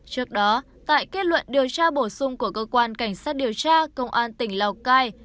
trước đó tại kết luận điều tra bổ sung của cơ quan cảnh sát điều tra công an tỉnh lào cai